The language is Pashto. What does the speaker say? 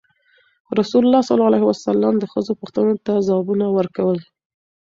رسول ﷺ د ښځو پوښتنو ته ځوابونه ورکول.